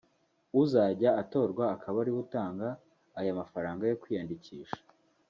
uzajya atorwa akaba ariwe uzajya utanga aya mafaranga yo kwiyandikisha